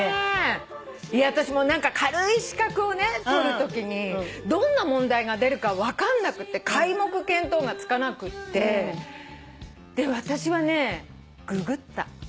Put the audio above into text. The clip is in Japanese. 私も何か軽い資格を取るときにどんな問題が出るか分かんなくて皆目見当がつかなくってで私はねググった。